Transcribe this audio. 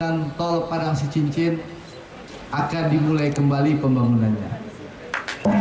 jalan tol padang sicincin akan dimulai kembali pembangunannya